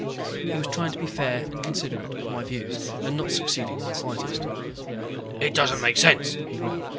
He was trying to be fair and considerate of my views, and not succeeding in the slightest. "It doesn't make sense," he growled.